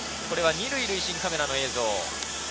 これは２塁塁審カメラの映像。